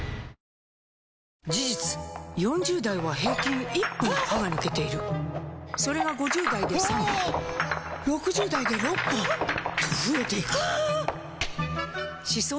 事実４０代は平均１本歯が抜けているそれが５０代で３本６０代で６本と増えていく歯槽